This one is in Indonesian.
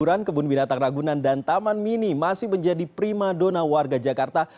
ukuran kebun binatang ragunan dan taman mini masih menjadi prima dona warga jakarta